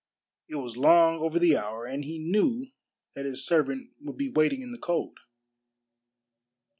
It was long over the hour, and he knew that his servant would be waiting in the cold.